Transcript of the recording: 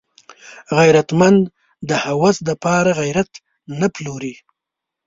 غیرتمند د هوس د پاره غیرت نه پلوري